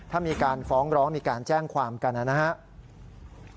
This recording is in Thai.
ถ้ามีการฟ้องร้องมีการแจ้งความกันนะครับ